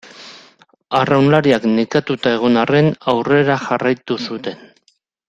Arraunlariak nekatuta egon arren aurrera jarraitu zuten.